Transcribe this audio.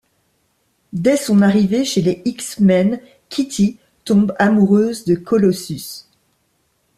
Dès son arrivée chez les X-Men, Kitty tombe amoureuse de Colossus.